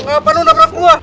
kenapa lo terang terang gua